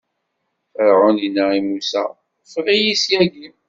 Ferɛun inna i Musa: Ffeɣ-iyi syagi!